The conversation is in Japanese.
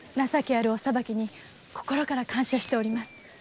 情けあるお裁きに心から感謝しております。